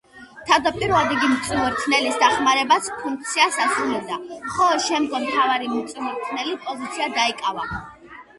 თავდაპირველად იგი მწვრთნელის დამხმარეს ფუნქციას ასრულებდა, ხოლო შემდგომ მთავარი მწვრთნელი პოზიცია დაიკავა.